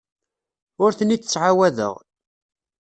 Ur ten-id-ttɛawadeɣ.